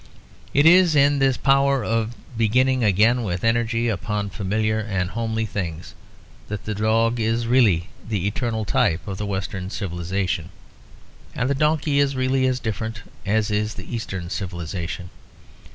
It is in this power of beginning again with energy upon familiar and homely things that the dog is really the eternal type of the Western civilisation. And the donkey is really as different as is the Eastern civilisation.